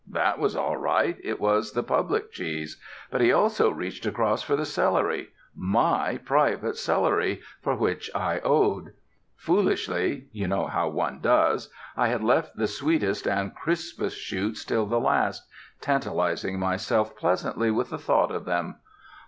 That was all right! it was the public cheese. But he also reached across for the celery my private celery for which I owed. Foolishly you know how one does I had left the sweetest and crispest shoots till the last, tantalizing myself pleasantly with the thought of them.